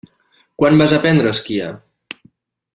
Quan vas aprendre a esquiar?